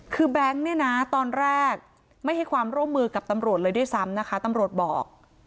คือแบงค์เนี่ยนะตอนแรกไม่ให้ความร่วมมือกับตำรวจเลยด้วยซ้ำนะคะตำรวจบอก